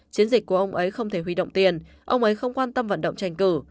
chiến dịch của ông ấy không thể huy động tiền ông ấy không quan tâm vận động tranh cử